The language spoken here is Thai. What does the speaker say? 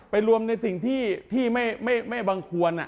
รวมในสิ่งที่ไม่บังควร